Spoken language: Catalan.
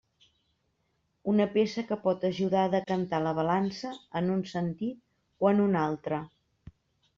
Una peça que pot ajudar a decantar la balança en un sentit o en un altre.